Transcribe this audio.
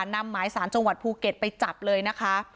นำหมายสารจังหวัดภูเก็ตไปจับเลยนะคะ